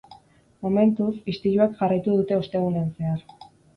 Momentuz, istiluek jarraitu dute ostegunean zehar.